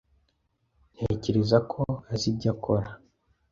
Ntekereza ko azi ibyo akora.